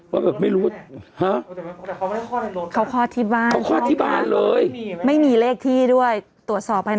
ว่าแบบไม่รู้ว่า